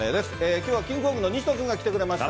きょうはキングコングの西野君が来てくれました。